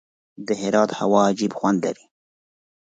د هرات هوا عجیب خوند لري.